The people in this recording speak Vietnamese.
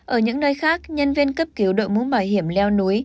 ở những nơi khác nhân viên cấp cứu đội mũ bảo hiểm leo núi